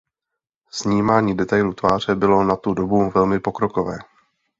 Snímání detailu tváře bylo na tu dobu velmi pokrokové.